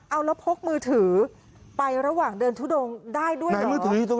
เอาแล้วพกมือถือไประหว่างเดินทุดงได้ด้วยนะ